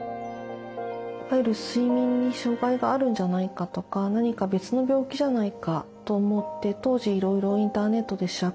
睡眠に障害があるんじゃないかとか何か別の病気じゃないかと思って当時いろいろインターネットで調べました。